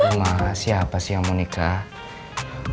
aduh ma siapa sih yang mau nikah